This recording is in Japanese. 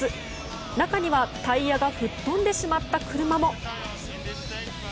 中にはタイヤが吹っ飛んでしまった車も。